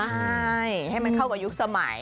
ใช่ให้มันเข้ากับยุคสมัย